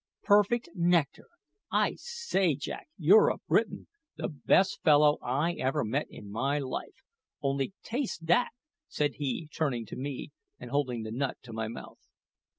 perfect nectar! I say, Jack, you're a Briton the best fellow I ever met in my life Only taste that!" said he, turning to me and holding the nut to my mouth.